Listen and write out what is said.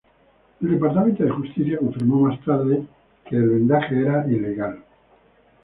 El Departamento de Justicia confirmó más tarde el que el vendaje era ilegal.